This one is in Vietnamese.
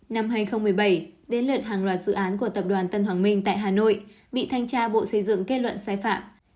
năm hai nghìn một mươi bảy đến lượt hàng loạt dự án của tập đoàn tân hoàng minh tại hà nội bị thanh tra bộ xây dựng kết luận sai phạm